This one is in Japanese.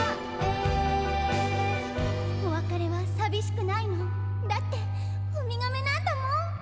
「お別れはサビしくないのだってウミガメなんだもん」